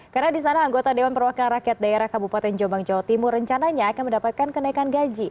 karena di sana anggota dewan perwakilan rakyat daerah kabupaten jombang jawa timur rencananya akan mendapatkan kenaikan gaji